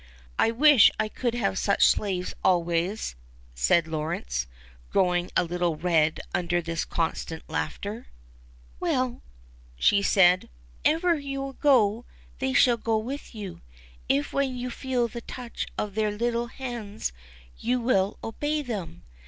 I wish I could have such slaves always," said Lawrence, growing a little red under this constant laughter. Well," she said, wherever you go, they shall go with you, if when you feel the touch of their little hands you will obey them.